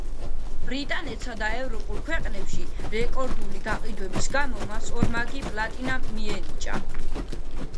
ბრიტანეთსა და ევროპულ ქვეყნებში რეკორდული გაყიდვების გამო მას ორმაგი პლატინა მიენიჭა.